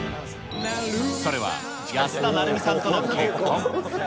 それは安田成美さんとの結婚。